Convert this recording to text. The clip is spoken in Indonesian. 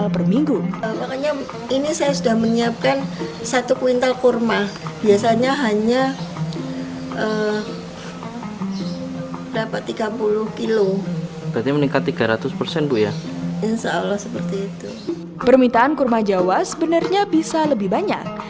permintaan kurma jawa sebenarnya bisa lebih banyak